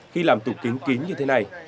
khi làm tủ kín kín như thế này